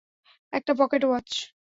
একটা pocket watch.